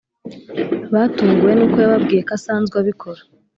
batunguwe n uko yababwiye ko asanzwe abikora